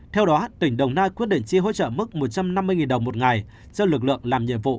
theo đó tỉnh đồng nai quyết định chi hỗ trợ mức một trăm năm mươi đồng một ngày cho lực lượng làm nhiệm vụ